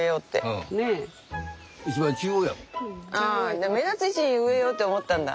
ああじゃあ目立つ位置に植えようって思ったんだ。